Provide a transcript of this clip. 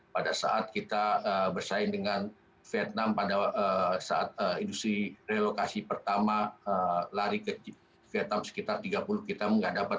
pada saat kita bersaing dengan vietnam pada saat industri relokasi pertama lari ke vietnam sekitar tiga puluh kita nggak dapat